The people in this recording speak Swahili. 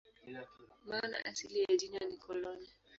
Maana asili ya jina ni "koloni".